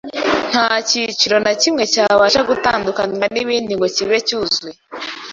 Nta cyiciro na kimwe cyabasha gutandukanywa n’ibindi ngo kibe cyuzuye.